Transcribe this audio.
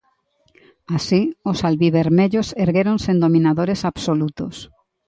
Así, os albivermellos erguéronse en dominadores absolutos.